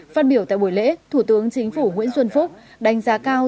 phát biểu tại buổi lễ thủ tướng chính phủ nguyễn xuân phúc đánh giá cao